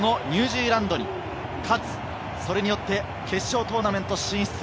イタリアにとってはニュージーランドに勝つ、それによって決勝トーナメント進出。